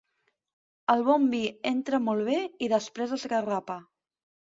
El bon vi entra molt bé i després esgarrapa.